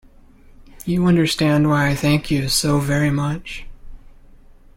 You understand why I thank you so very much?